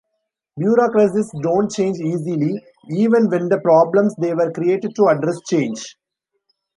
Bureaucracies don't change easily, even when the problems they were created to address change.